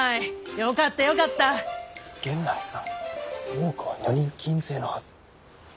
大奥は女人禁制のはず。